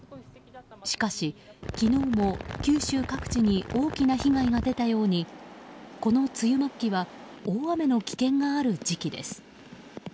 しかし、昨日も九州各地に大きな被害が出たようにこの梅雨末期は大雨の危険がある時期です。